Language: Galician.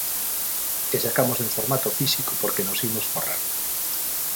E sacamos en formato físico porque nos imos forrar.